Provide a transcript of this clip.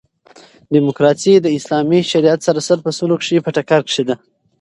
ډیموکاسي د اسلامي شریعت سره سل په سلو کښي په ټکر کښي ده.